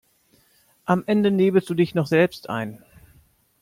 Am Ende nebelst du dich noch selbst ein.